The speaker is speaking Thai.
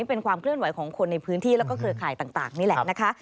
เป็นความเคลื่อนไหวของคนในพื้นที่แล้วก็เครือข่ายต่างนี่แหละนะคะ